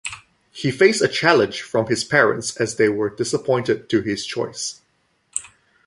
He faced a challenge from his parents as they were disappointed to his choice.